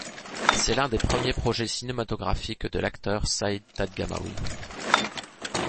C'est l'un des premiers projets cinématographiques de l'acteur Saïd Taghmaoui.